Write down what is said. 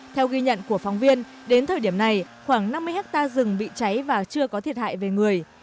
theo ghi nhận của phóng viên đến thời điểm này khoảng năm mươi hectare rừng bị cháy và chưa có thiệt hại về người